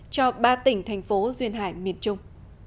cho ba tỉnh thành phố duyên hải miền trung